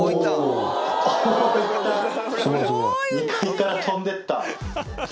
２階から飛んでった。